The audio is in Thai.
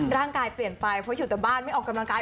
ร่างกายเปลี่ยนไปเพราะอยู่แต่บ้านไม่ออกกำลังกาย